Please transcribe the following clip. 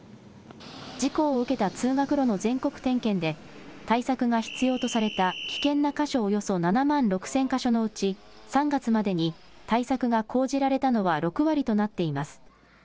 事故を受けた通学路の全国点検で対策が必要とされた危険な箇所およそ７万６０００か所のうち３月までに対策が講じられたのは６割となっています。